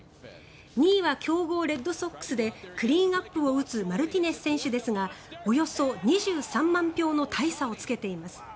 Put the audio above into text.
２位は強豪レッドソックスでクリーンアップを打つマルティネス選手ですがおよそ２３万票の大差をつけています。